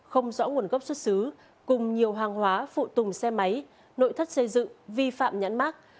không rõ nguồn gốc xuất xứ cùng nhiều hàng hóa phụ tùng xe máy nội thất xây dựng vi phạm nhãn mát